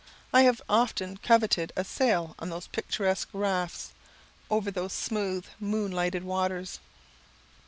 I have often coveted a sail on those picturesque rafts, over those smooth moonlighted waters.